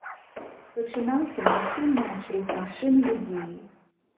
Пачынаўся на ўсю ноч рух машын і людзей.